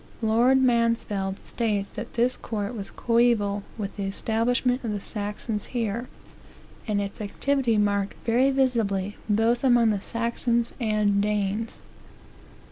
Lord Mansfield states that this court was coeval with the establishment of the Saxons here, and its activity marked very visibly both among the Saxons and Danes.